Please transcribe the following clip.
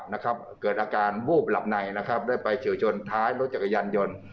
นะครับเกิดอาการวูบหลับในนะครับได้ไปเฉียวชนท้ายรถจักรยานยนต์